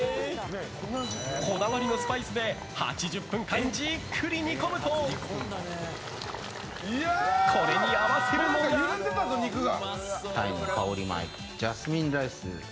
こだわりのスパイスで８０分間じっくり煮込むとこれに合わせるのが。